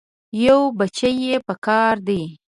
یو بچی مې پکار دی.